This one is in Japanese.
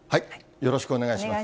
よろしくお願いします。